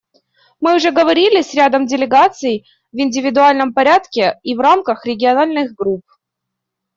Мы уже говорили с рядом делегаций в индивидуальном порядке и в рамках региональных групп.